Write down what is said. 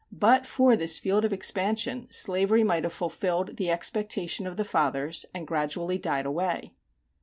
But for this field of expansion, slavery might have fulfilled the expectation of the fathers and gradually died away.